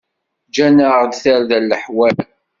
Ǧǧan-aɣ-d tarda n leḥwal.